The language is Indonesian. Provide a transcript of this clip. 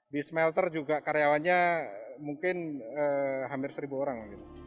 di smelter juga karyawannya mungkin hampir seribu orang